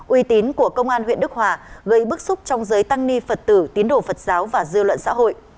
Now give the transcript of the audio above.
uy tín của công an huyện đức hòa gây bức xúc trong giới tăng ni phật tử tín đồ phật giáo và dư luận xã hội